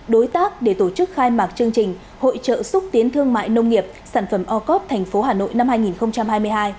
đối tác để tổ chức khai mạc chương trình hội trợ xúc tiến thương mại nông nghiệp sản phẩm ocop thành phố hà nội năm hai nghìn hai mươi hai